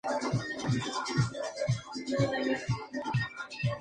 Esta especie lleva el nombre en honor a Patricia y Austin Stanley Rand.